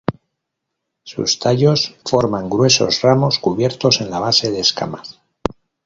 Sus tallos forman gruesos ramos cubiertos en la base de escamas.